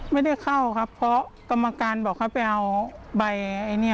ไม่ได้เข้าครับเพราะกรรมการบอกเขาไปเอาใบไอ้เนี่ย